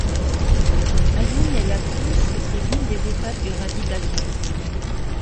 Aïoun El Atrouss était l'une des étapes du Rallye Dakar.